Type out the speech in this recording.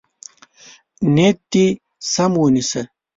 نیت دې سم ونیسه.